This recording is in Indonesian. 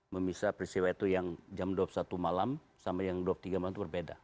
memisah peristiwa itu yang jam dua puluh satu malam sama yang dua puluh tiga malam itu berbeda